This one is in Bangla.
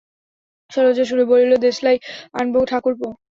সলজ্জ সুরে বলিল, দেশলাই আনবো ঠাকুরপো?